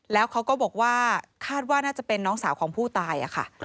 แล้วเขาก็บอกว่าคาดว่าน่าจะเป็นน้องสาวของผู้ตายค่ะ